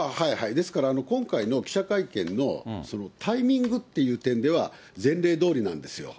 ですから今回の記者会見のタイミングという点では、前例どおりなんですよ。